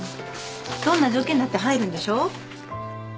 どんな条件だって入るんでしょ？